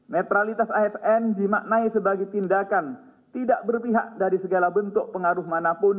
netralitas asn dimaknai sebagai tindakan tidak berpihak dari segala bentuk pengaruh manapun